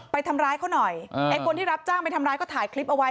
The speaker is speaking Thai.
ไปทำร้ายเขาหน่อยไอ้คนที่รับจ้างไปทำร้ายก็ถ่ายคลิปเอาไว้